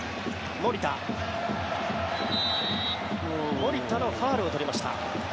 守田がファウルを取りました。